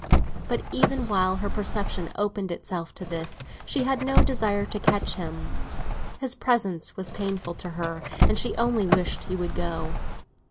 But even while her perception opened itself to this, she had no desire to catch him; his presence was painful to her, and she only wished he would go.